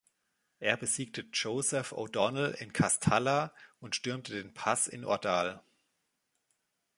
Er besiegte Joseph O'Donnell in Castalla und stürmte den Pass in Ordal.